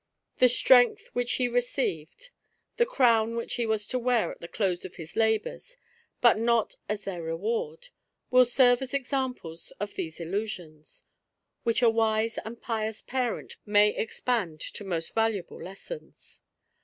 the strength which he received, the crown which he was to wear at the close of his labours, but not as their rewardj will serve as examples of these allusions ; which a wise and pious parent may expand to most valuable lessons.